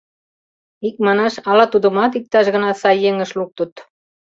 Икманаш, ала тудымат иктаж гана сай еҥыш луктыт?